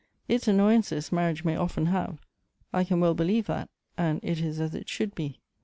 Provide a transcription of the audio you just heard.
" Its annoyances marriage may often have ; I can well believe that, and it is as it should be.